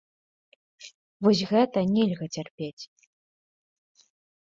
Вось гэта нельга цярпець.